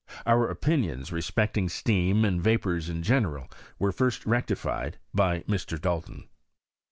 Our opinioitf respecting steam and vapours in general were first rectified by Mr. Dalton.